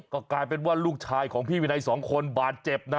ก็กลายเป็นว่าลูกชายของพี่วินัยสองคนบาดเจ็บนะ